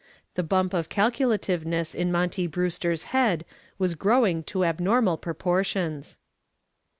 The bump of calculativeness in Monty Brewster's head was growing to abnormal proportions.